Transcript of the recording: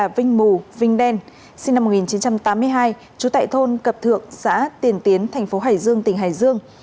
vinh bù vinh đen sinh năm một nghìn chín trăm tám mươi hai trú tại thôn cập thượng xã tiền tiến thành phố hải dương tỉnh hải dương